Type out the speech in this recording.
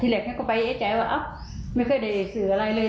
ที่เหล็กเขาไปแอ๊ะแจ๊ะว่าไม่ค่อยได้ศืออะไรเลย